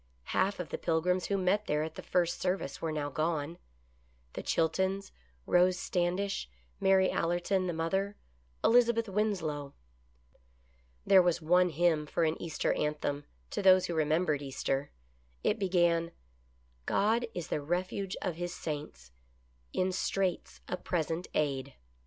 Half of the Pilgrims who met there at the first service were now gone: the Chiltons, Rose Standish, Mary Allerton, the mother, Elizabeth Winslow. There was one hymn for an Easter anthem, to those who remembered Easter. It began :" God is the refuge of His saints, In straits a present aid."